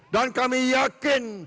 dan kami yakin